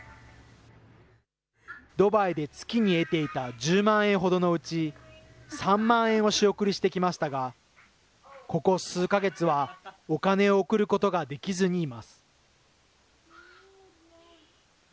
ドバイで月に得ていた１０万円ほどのうち、３万円を仕送りしてきましたが、ここ数か月は、お金を送ることができずにいます。